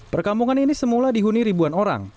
perkampungan ini semula dihuni ribuan orang